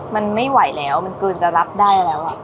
มันไม่ไหวแล้วมันเกินจะรับได้แล้ว